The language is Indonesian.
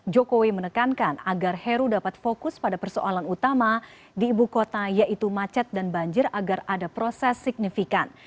jokowi menekankan agar heru dapat fokus pada persoalan utama di ibu kota yaitu macet dan banjir agar ada proses signifikan